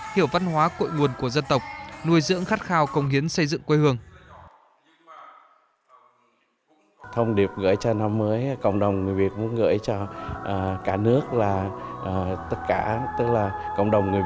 hiểu văn hóa cội nguồn của dân tộc nuôi dưỡng khát khao công hiến xây dựng quê hương